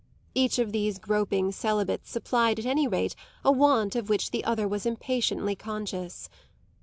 Each of these groping celibates supplied at any rate a want of which the other was impatiently conscious.